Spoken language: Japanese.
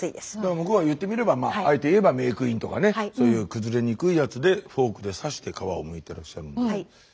向こうは言ってみればあえて言えばメークインとかねそういう崩れにくいやつでフォークで刺して皮をむいてらっしゃる。